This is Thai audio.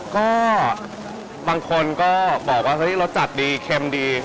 คือบางคนบอกว่ารสจัดดีเข็มดี